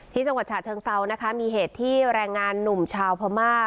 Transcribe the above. จังหวัดฉะเชิงเซานะคะมีเหตุที่แรงงานหนุ่มชาวพม่า